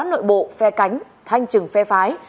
nội bộ phe cánh thanh trừng phe phái